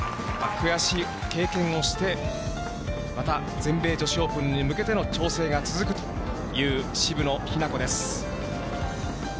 悔しい経験をして、また、全米女子オープンに向けての調整が続くという渋野日向子です。